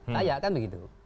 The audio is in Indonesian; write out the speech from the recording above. kayak kan begitu